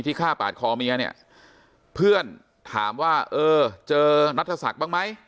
ฆ่าปาดคอเมียเนี่ยเพื่อนถามว่าเออเจอนัทศักดิ์บ้างไหม